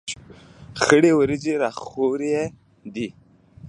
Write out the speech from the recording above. خړې ورېځې را خورې دي.